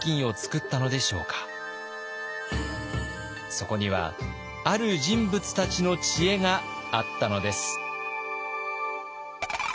そこにはある人物たちの知恵があったのです。